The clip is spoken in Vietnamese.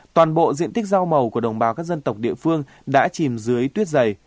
toàn bộ diện tích rau màu của đồng bào các dân tộc địa phương đã chìm dưới tuyết dày